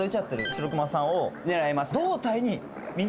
シロクマさんを狙います